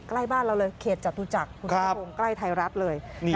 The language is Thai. ใกล้บ้านเราเลยเขตจตุจักรคุณภาคภูมิใกล้ไทยรัฐเลย